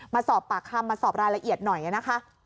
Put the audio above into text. มาสอบปากคำมาสอบรายละเอียดหน่อยนะคะ